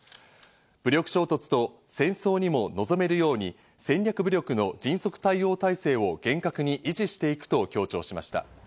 武力衝突と戦争にも臨めるように、戦略武力の迅速対応態勢を厳格に維持していくと強調しました。